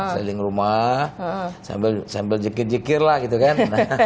seling rumah sambil jekir jekir lah gitu kan